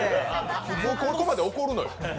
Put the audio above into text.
普通、ここまで怒るのよ。